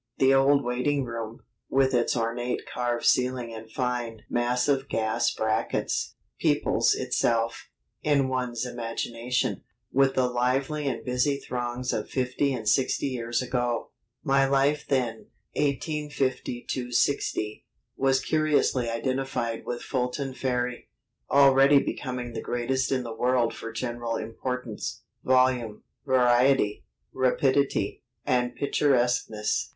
The old waiting room, with its ornate carved ceiling and fine, massive gas brackets, peoples itself, in one's imagination, with the lively and busy throngs of fifty and sixty years ago. "My life then (1850 60) was curiously identified with Fulton Ferry, already becoming the greatest in the world for general importance, volume, variety, rapidity, and picturesqueness."